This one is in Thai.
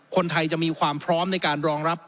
คนไทยจะมีความพร้อมในการรองรับ